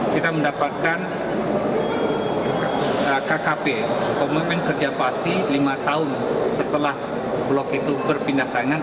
kita mendapatkan kkp komitmen kerja pasti lima tahun setelah blok itu berpindah tangan